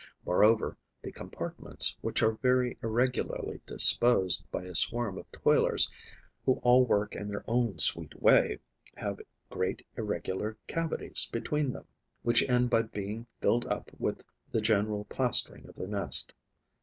Moreover, the compartments, which are very irregularly disposed by a swarm of toilers who all work in their own sweet way, have great irregular cavities between them, which end by being filled up with the general plastering of the nest.